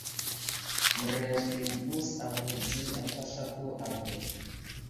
Mərez i məɓəs avuhw di akwaslako avər.